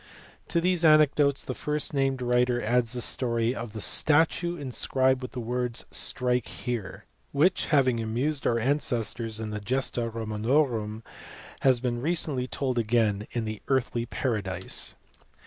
To these anecdotes the first named writer adds the story of the statue inscribed with the words " strike here," which having amused our ancestors in the Gesta Romanorum has been recently told again in the Earthly Paradise.